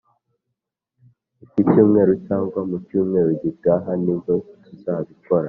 iki cyumweru cyangwa mu cyumweru gitaha nibwo tuzabikora